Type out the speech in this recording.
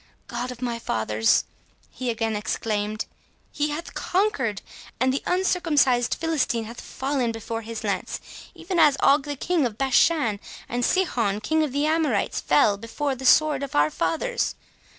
—God of my fathers!" he again exclaimed, "he hath conquered, and the uncircumcised Philistine hath fallen before his lance,—even as Og the King of Bashan, and Sihon, King of the Amorites, fell before the sword of our fathers!